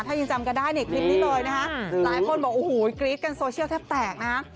ถ้ายังจำกันได้ในคลิปนี้เลยนะฮะหลายคนบอกโอ้โหกรี๊ดกันโซเชียลแทบแตกนะฮะ